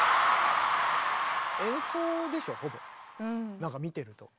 なんか見てると。